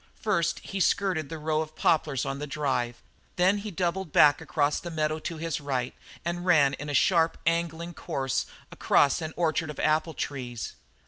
First he skirted the row of poplars on the drive; then doubled back across the meadow to his right and ran in a sharp angling course across an orchard of apple trees.